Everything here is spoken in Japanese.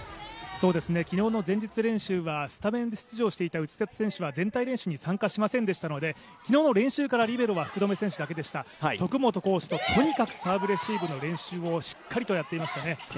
昨日の前日練習は、スタメン出場していた内瀬戸選手は全体練習に参加しませんでしたので昨日の練習からリベロは福留選手だけでした、徳元コーチととにかくサーブレシーブの練習をしっかりやっていましたね。